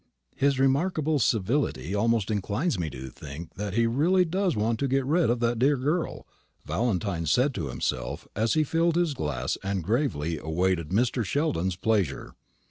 "His remarkable civility almost inclines me to think that he does really want to get rid of that dear girl," Valentine said to himself, as he filled his glass and gravely awaited Mr. Sheldon's pleasure.